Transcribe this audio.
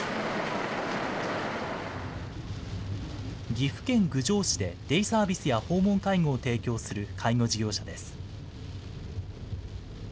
岐阜県郡上市でデイサービスや訪問介護を提供する介護事業者です。